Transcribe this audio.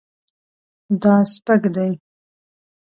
دا سپک دی